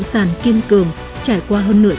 và một chiến sĩ cộng sản kiên cường trải qua hơn nửa năm